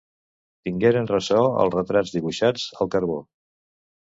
Tingueren ressò els retrats dibuixats al carbó.